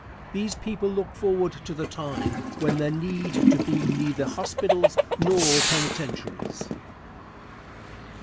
These people look forward to the time when there need to be neither hospitals nor penitentiaries.